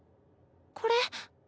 これ。